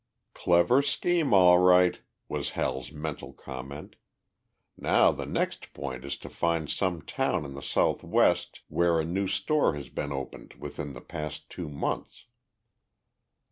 "Clever scheme, all right," was Hal's mental comment. "Now the next point is to find some town in the Southwest where a new store has been opened within the past two months."